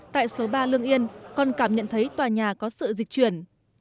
tại số ba lương yên còn cảm nhận thấy tòa nhà có sự dịch chuyển